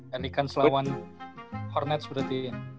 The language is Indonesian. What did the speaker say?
dan ikan selawan hornets berarti ya